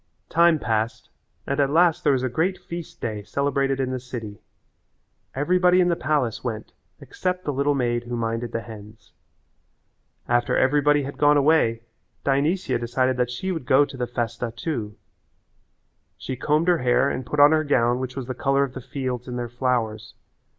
Time passed and at last there was a great feast day celebrated in the city. Everybody in the palace went except the little maid who minded the hens. After everybody had gone away Dionysia decided that she would go to the festa too. She combed her hair and put on her gown which was the colour of the fields and all their flowers.